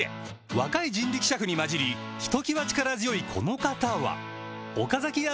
若い人力車夫に交じりひときわ力強いこの方は岡崎屋